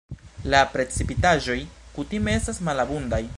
La precipitaĵoj kutime estas malabundaj.